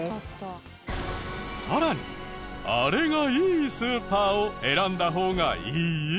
さらにあれがいいスーパーを選んだ方がいい！？